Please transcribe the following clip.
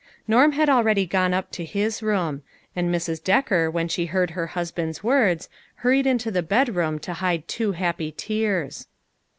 Norm had already gone up to his room ; and Mrs. Decker when she heard her husband's words, hurried into the bedroom to hide two happy tears.